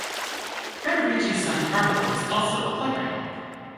Federici's son Carlo was also a playwright.